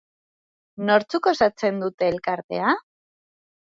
Nortzuk osatzen dute elkartea?